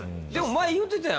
前言うてたやん